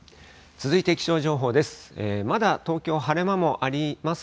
続いて気象情報です。